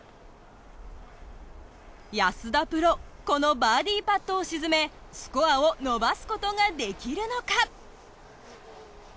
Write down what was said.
このバーディパットを沈めスコアを伸ばすことができるのか！？